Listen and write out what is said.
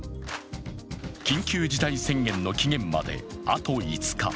緊急事態宣言の期限まであと５日。